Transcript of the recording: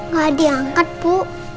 gak diangkat bu